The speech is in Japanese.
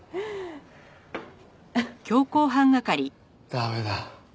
駄目だ。